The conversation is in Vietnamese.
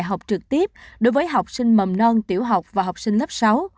học trực tiếp đối với học sinh mầm non tiểu học và học sinh lớp sáu